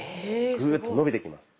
グーッと伸びてきます。